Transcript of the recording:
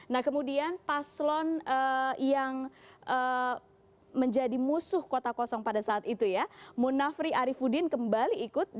nah kemudian paslon yang menjadi musuh kota kosong pada saat itu ya munafri arifudin kembali ikut